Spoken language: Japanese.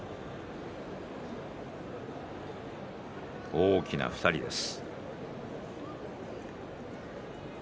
大きな２人です。